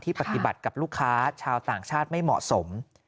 ปฏิบัติกับลูกค้าชาวต่างชาติไม่เหมาะสม